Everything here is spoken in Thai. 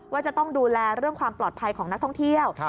ว่าจะต้องดูแลเรื่องความปลอดภัยของนักท่องเที่ยว